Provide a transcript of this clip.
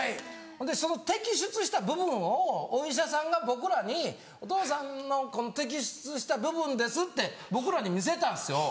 ほんでその摘出した部分をお医者さんが僕らにお父さんの摘出した部分ですって僕らに見せたんですよ。